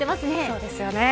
そうですね。